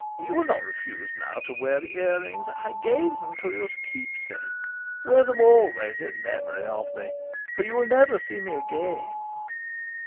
You will not refuse now to wear the ear rings. I gave them to you as a keepsake. Wear them always in memory of me. For you will never see me again."